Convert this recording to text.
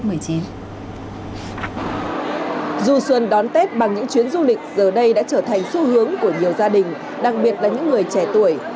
du xuân đón tết bằng những chuyến du lịch giờ đây đã trở thành xu hướng của nhiều gia đình đặc biệt là những người trẻ tuổi